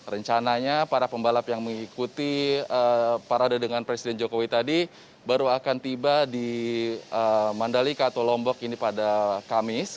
rencananya para pembalap yang mengikuti parade dengan presiden jokowi tadi baru akan tiba di mandalika atau lombok ini pada kamis